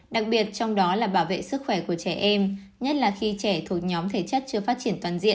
đặc biệt trong đó là bảo vệ sức khỏe của trẻ em nhất là khi trẻ thuộc nhóm thể chất chưa phát triển toàn diện